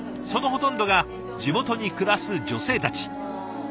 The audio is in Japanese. そのほとんどが地元に暮らす女性たち。